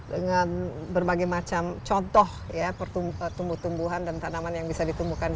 dengan berbagai macam contoh ya tumbuh tumbuhan dan tanaman yang bisa ditumbuhkan